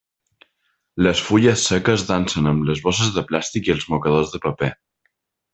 Les fulles seques dansen amb les bosses de plàstic i els mocadors de paper.